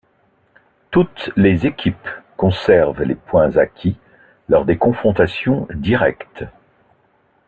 Toutes les équipes conservent les points acquis lors des confrontations directes.